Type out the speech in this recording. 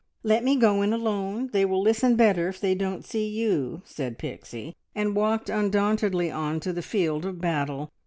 "Let me go in alone. They will listen better if they don't see you," said Pixie, and walked undauntedly on to the field of battle.